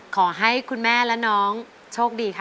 ขอให้คุณแม่และน้องโชคดีค่ะ